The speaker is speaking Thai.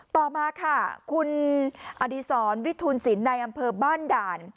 ต่อมาค่ะคุณอดีศรวิทูลศิลป์ในอำเภอบ้านด่าน